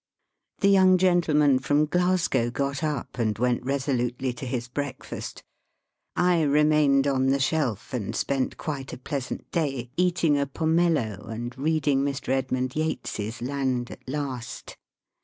The young gentleman from Glasgow got up and went resolutely to his breakfast. I remained on the shelf, and spent quite a pleasant day, eating a pomello and reading Mr. Edmund Yates's " Land at Last."